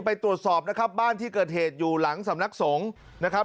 ไปตรวจสอบนะครับบ้านที่เกิดเหตุอยู่หลังสำนักสงฆ์นะครับ